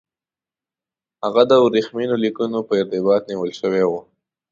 هغه د ورېښمینو لیکونو په ارتباط نیول شوی وو.